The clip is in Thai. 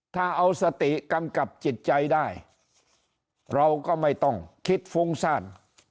ถ้าเอาสติกำกับจิตใจได้เราก็ไม่ต้องคิดฟุ้งซ่าน